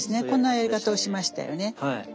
こんなやり方をしましたよね。